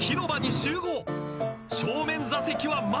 正面座席は満席。